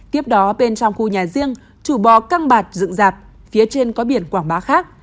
tiếp đó bên trong khu nhà riêng chủ bò căng bạt dựng dạp phía trên có biển quảng bá khác